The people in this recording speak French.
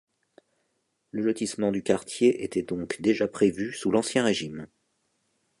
Le lotissement du quartier était donc déjà prévu sous l'Ancien Régime.